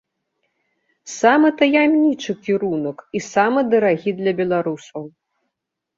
Самы таямнічы кірунак і самы дарагі для беларусаў.